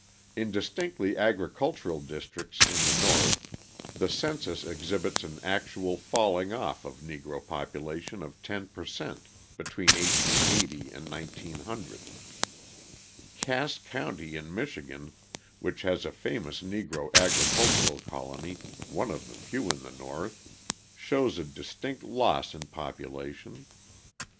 In distinctly agricultural districts in the North the census exhibits an actual falling off of Negro population of 10 per cent. between 1880 and 1900. Cass County in Michigan, which has a famous Negro agricultural colony one of the few in the North shows a distinct loss in population.